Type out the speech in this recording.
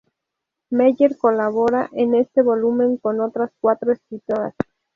Meyer colabora en este volumen con otras cuatro escritoras.